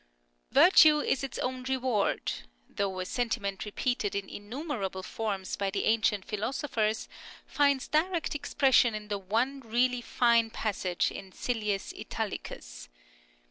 " Virtue is its own reward," though a sentiment repeated in innumerable forms by the ancient philosophers, finds direct expression in the one really fine passage in Silius Italicus.